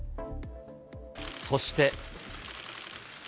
そして。